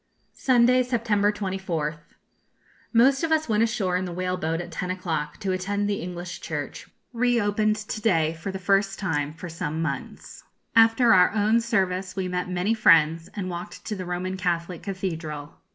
Sunday, September 24th. Most of us went ashore in the whale boat at ten o'clock, to attend the English church, reopened to day for the first time for some months. After our own service we met many friends, and walked to the Roman Catholic cathedral.